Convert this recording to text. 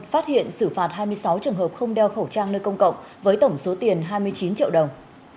phát hiện xử phạt hai mươi sáu trường hợp không đeo khẩu trang nơi công cộng với tổng số tiền hai mươi chín triệu đồng